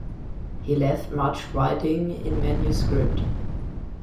He left much writing in manuscript.